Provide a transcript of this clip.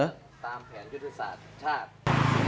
ตามแผนยุทธศาสตร์ชาติ